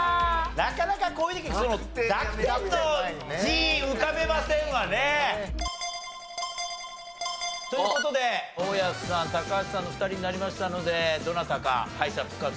なかなかこういう時に濁点の字浮かべませんわね。という事で大家さん高橋さんの２人になりましたのでどなたか敗者復活。